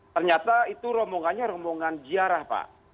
ternyata itu rombongannya rombongan ziarah pak